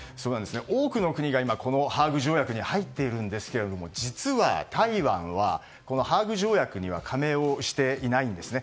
多くの国が今このハーグ条約に入っているんですけれども実は台湾はこのハーグ条約には加盟していないんですね。